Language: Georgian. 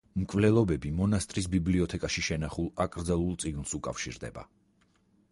მკვლელობები მონასტრის ბიბლიოთეკაში შენახულ აკრძალულ წიგნს უკავშირდება.